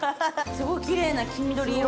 すごいキレイな黄緑色。